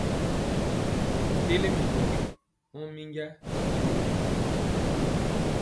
Ndeli mɛnyɔgi mɔ minja ri nyoli.